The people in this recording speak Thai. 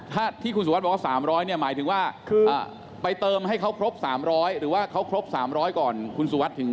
ถ้าที่คุณสุวัสดิบอกว่า๓๐๐เนี่ยหมายถึงว่าไปเติมให้เขาครบ๓๐๐หรือว่าเขาครบ๓๐๐ก่อนคุณสุวัสดิ์ถึง